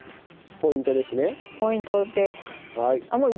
ポイントです。